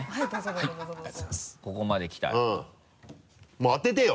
もう当ててよ？